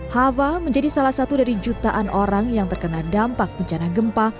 hava menjadi salah satu dari jutaan orang yang terkena dampak bencana gempa